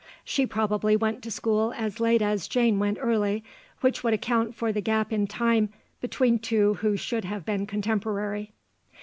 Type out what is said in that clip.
She probably went to school as late as Jane went early, which would account for the gap in time between two who should have been contemporary.